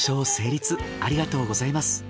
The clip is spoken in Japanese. ありがとうございます。